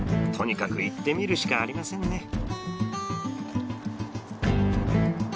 とにかく行ってみるしかありませんね。